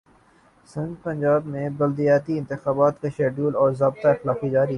سندھپنجاب میں بلدیاتی انتخابات کاشیڈول اور ضابطہ اخلاق جاری